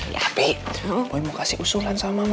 tapi boy mau kasih usulan sama mama